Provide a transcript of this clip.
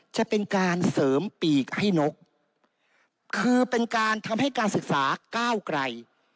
จะเป็นการเสริมปีกให้นกคือเป็นการทำให้การศึกษาก้าวไกล